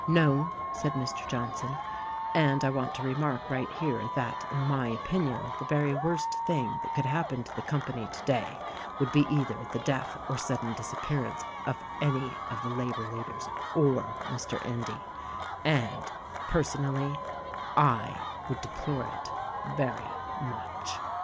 "No," said Mr. Johnson, "and I want to remark right here that, in my opinion, the very worst thing that could happen to the company today would be either the death or sudden disappearance of any of the labor leaders or Mr. Endy and, personally, I would deplore it very much."